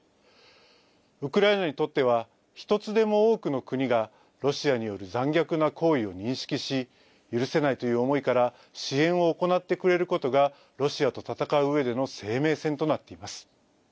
ウクライナにとっては、一つでも多くの国がロシアによる残虐な行為を認識し、許せないという思いから、支援を行ってくれることがロシアと戦ううえでの生命線となっています。